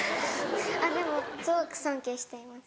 でもすごく尊敬しています。